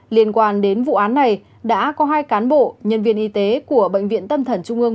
liên quan đến vụ án này đã có hai cán bộ nhân viên y tế của bệnh viện tâm thần trung ương